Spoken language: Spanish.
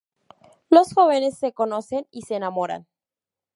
Los jóvenes se conocen y se enamoran.